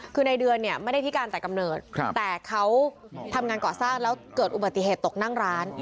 คือในเดือนเนี่ยไม่ได้พิการแต่กำเนิดแต่เขาทำงานก่อสร้างแล้วเกิดอุบัติเหตุตกนั่งร้าน